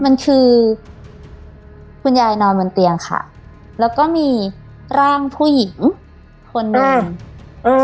มันคือคุณยายนอนบนเตียงค่ะแล้วก็มีร่างผู้หญิงคนหนึ่งเออ